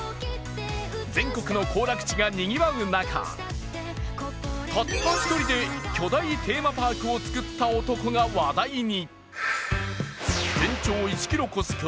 全国の行楽地がにぎわう中、たった１人で巨大テーマパークを造った男が話題に。